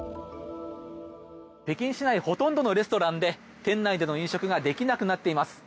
北京市内ほとんどのレストランで店内での飲食ができなくなっています。